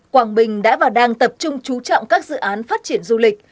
quảng bình đã và đang tập trung trú trọng các dự án phát triển du lịch